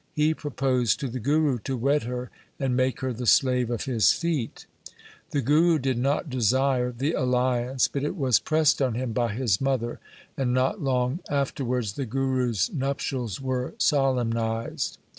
He proposed to the Guru to wed her and make her the slave of his feet. B 2 4 THE SIKH RELIGION The Guru did not desire the alliance, but it was pressed on him by his mother, and not long after wards the Guru's nuptials were solemnized.